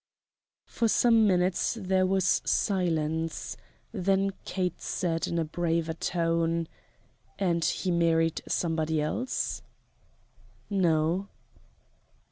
For some minutes there was silence, then Kate said in a braver tone: "And he married somebody else?" "No."